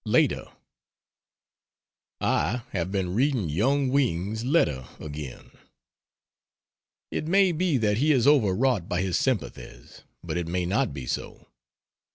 Later.... I have been reading Yung Wing's letter again. It may be that he is over wrought by his sympathies, but it may not be so.